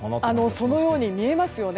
そのように見えますよね。